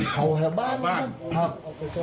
เผาแห่วบ้านเลยครับ